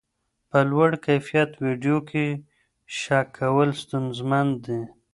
په لوړ کیفیت ویډیو کې شک کول ستونزمن دي.